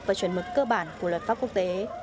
và chuẩn mực cơ bản của luật pháp quốc tế